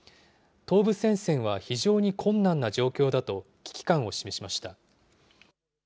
東部戦線は非常に困難な状況だと、危機感を示しました。